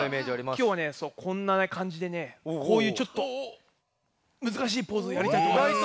きょうはねこんなかんじでねこういうちょっとむずかしいポーズをやりたいとおもいます。